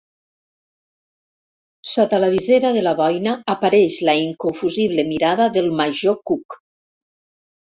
Sota la visera de la boina apareix la inconfusible mirada del major Cook.